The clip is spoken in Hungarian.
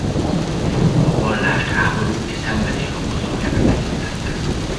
A vallást háborúk és szenvedés okozójának tekintette.